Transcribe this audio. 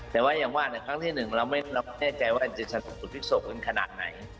แต่ว่าอย่างว่าในครั้งที่หนึ่งเราไม่แน่ใจว่าจะสุดภิกษกกันขนาดไหน